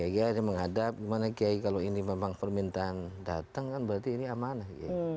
kiai menghadap gimana kiai kalau ini memang permintaan datang kan berarti ini amanah